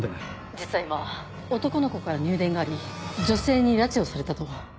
実は今男の子から入電があり女性に拉致をされたと。